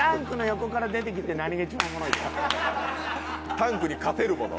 タンクに勝てるもの？